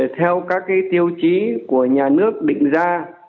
theo các tiêu chí của nhà nước định ra